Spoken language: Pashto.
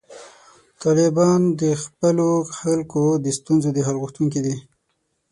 طالبان د خپلو خلکو د ستونزو د حل غوښتونکي دي.